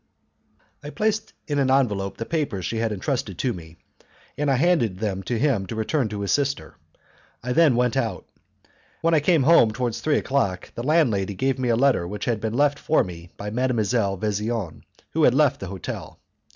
I placed in an envelope the papers she had entrusted to me, and I handed them to him to return to his sister. I then went out. When I came home towards three o'clock, the landlady gave me a letter which had been left for me by Mdlle. Vesian, who had left the hotel.